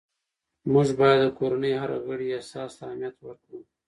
موږ باید د کورنۍ هر غړي احساس ته اهمیت ورکړو